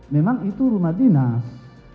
memang itu rumah dinas